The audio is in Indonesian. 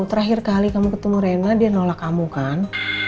terakhir kali kamu ketemu rena dia nolak kamu kan